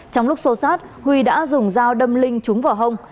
trong lúc xô sát huy đã dùng dao đâm linh trúng vào hông